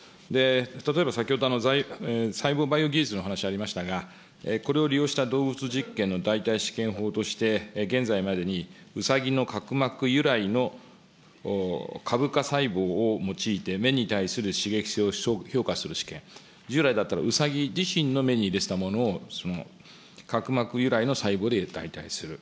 例えば先ほど、細胞バイオ技術の話がありましたが、これを利用した動物実験の代替試験法として、現在までに、ウサギの角膜由来の株化細胞を用いて目に対する刺激性を評価する試験、従来だったら、ウサギ自身の目に入れてたものを角膜由来の細胞で代替する。